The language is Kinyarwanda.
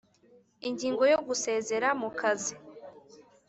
Ingingo yo gusezera mu kazi